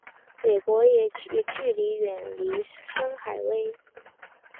美军也拒绝远离海参崴。